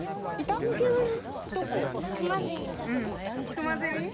クマゼミ？